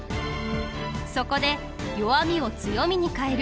そこで「弱みを強みに変える」